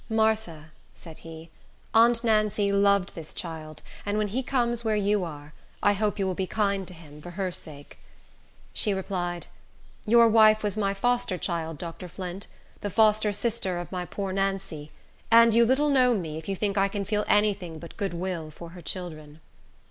"Martha," said he, "aunt Nancy loved this child, and when he comes where you are, I hope you will be kind to him, for her sake." She replied, "Your wife was my foster child, Dr. Flint, the foster sister of my poor Nancy, and you little know me if you think I can feel any thing but good will for her children."